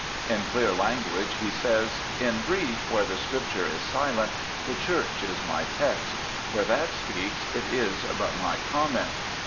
In clear language he says, ' In brief, where the Scripture is silent the Church is my text ; where that speaks it is but my comment.